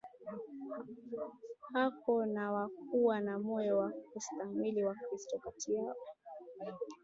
huko hawakuwa na moyo wa kustahimili Wakristo kati yao